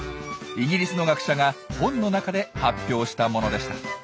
イギリスの学者が本の中で発表したものでした。